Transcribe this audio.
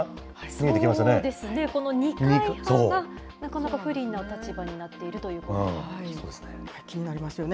そうですね、この二階派が、なかなか不利な立場になっている気になりますよね。